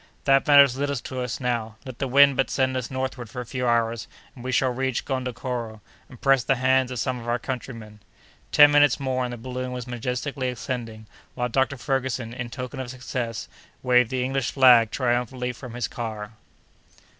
"That matters little to us now. Let the wind but send us northward for a few hours, and we shall reach Gondokoro, and press the hands of some of our countrymen." Ten minutes more, and the balloon was majestically ascending, while Dr. Ferguson, in token of success, waved the English flag triumphantly from his car.